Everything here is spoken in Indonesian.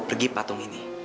pergi patung ini